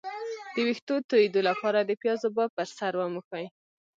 د ویښتو تویدو لپاره د پیاز اوبه په سر ومښئ